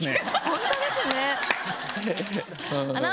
本当ですね。